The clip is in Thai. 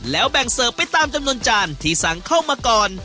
แล้วแบ่งเสิร์ฟไปตามจำนวนจานที่สั่งเข้ามาก่อน